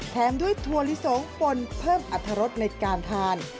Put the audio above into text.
แถมด้วยถั่วลิสงปนเพิ่มอัตรรสในการทาน